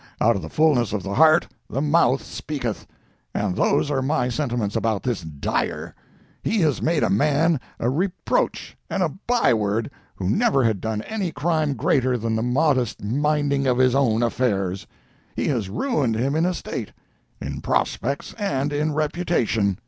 Out of the fullness of the heart, the mouth speaketh—and those are my sentiments about this Dyer. He has made a man a reproach and a by word who never had done any crime greater than the modest minding of his own affairs. He has ruined him in estate, in prospects and in reputation.